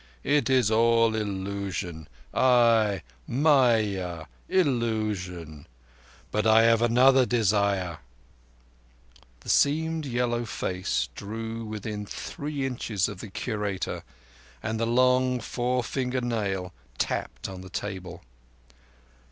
It is all illusion. Ay, maya, illusion. But I have another desire"—the seamed yellow face drew within three inches of the Curator, and the long forefinger nail tapped on the table.